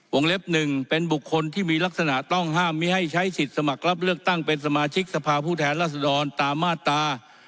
เล็บ๑เป็นบุคคลที่มีลักษณะต้องห้ามมีให้ใช้สิทธิ์สมัครรับเลือกตั้งเป็นสมาชิกสภาพผู้แทนรัศดรตามมาตรา